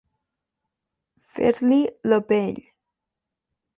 Fer-li la pell.